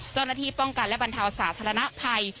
จอนัทีป้องกันและบรรเทาสาธารณภัย